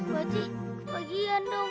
pakcik bagian dong